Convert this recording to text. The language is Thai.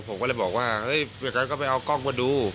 ผมก็เลยบอกว่าเฮ้ยอย่างนั้นก็ไปเอากล้องมาดู